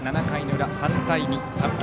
７回の裏、３対１。